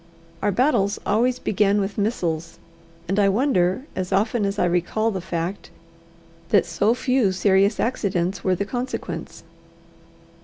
Our battles always began with missiles; and I wonder, as often as I recall the fact, that so few serious accidents were the consequence.